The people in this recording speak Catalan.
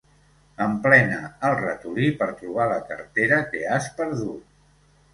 Emplena el ratolí per trobar la cartera que has perdut.